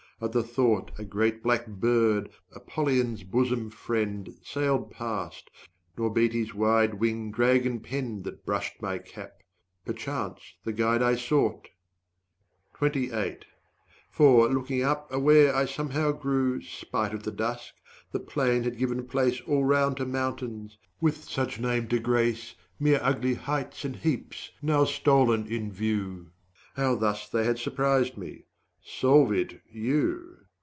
At the thought, A great black bird, Apollyon's bosom friend, 160 Sailed past, nor beat his wide wing dragon penned That brushed my cap perchance the guide I sought. For, looking up, aware I somehow grew, 'Spite of the dusk, the plain had given place All round to mountains with such name to grace 165 Mere ugly heights and heaps now stolen in view. How thus they had surprised me solve it, you!